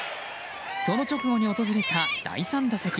その直後に訪れた第３打席。